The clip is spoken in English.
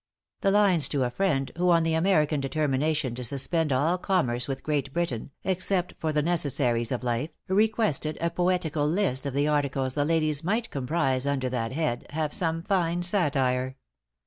The lines to a friend, who on the American determination to suspend all commerce with Great Britain, except for the necessaries of life, requested a poetical list of the articles the ladies might comprise under that head, have some fine satire.